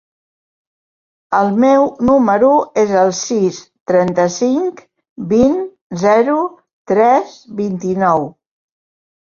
El meu número es el sis, trenta-cinc, vint, zero, tres, vint-i-nou.